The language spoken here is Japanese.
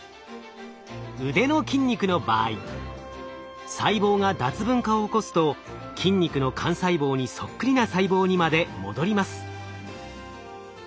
うでの筋肉の場合細胞が脱分化を起こすと筋肉の幹細胞にそっくりな細胞にまで戻ります。